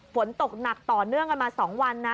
ฝนตกหนักต่อเนื่องกันมา๒วันนะ